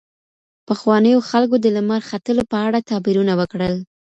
پخوانیو خلګو د لمر ختلو په اړه تعبیرونه وکړل.